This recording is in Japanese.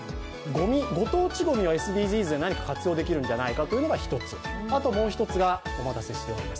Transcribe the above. ご当地ごみはＳＤＧｓで何かに活用できるんじゃないかというのが１つ、もう一つが、お待たせしております